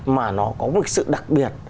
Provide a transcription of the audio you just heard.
mà nó có một sự đặc biệt